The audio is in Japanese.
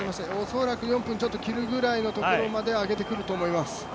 恐らく４分ちょっと切るぐらいのところまで上げてくるかと思います。